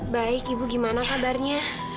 baik ibu gimana kabarnya